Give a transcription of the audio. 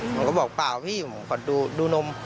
ผมก็บอกเปล่าพี่หมอดูนม